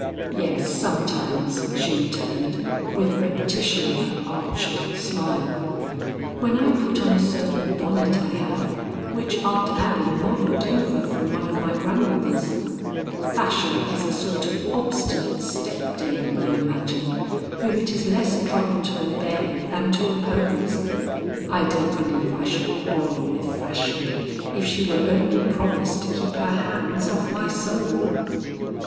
"Yes, sometimes," she returned with a repetition of her arch little smile, "when I put on a certain bonnet I have, which Aunt Abby modeled over from one of my grandmother's. Fashion is a sort of obstinate step dame I imagine, whom it is less trouble to obey than to oppose. I don't believe I shall quarrel with Fashion if she will only promise to keep her hands off my soul."